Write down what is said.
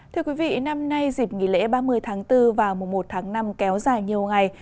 thưa quý vị năm nay dịp nghỉ lễ ba mươi tháng bốn và mùa một tháng năm kéo dài nhiều ngày